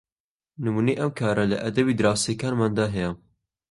نمونەی ئەم کارە لە ئەدەبی دراوسێکانماندا هەیە